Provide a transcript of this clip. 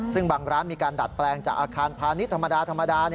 ซึ่งบางร้านมีการดัดแปลงจากอาคารพาณิชย์ธรรมดา